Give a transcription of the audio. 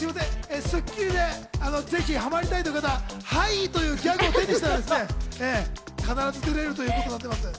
『スッキリ』でぜひハマりたいという方、「はい」というギャグを手にしたら、必ず出られるということですので。